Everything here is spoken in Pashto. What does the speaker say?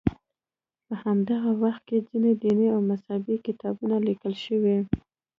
په همدغه وخت کې ځینې دیني او مذهبي کتابونه لیکل شوي.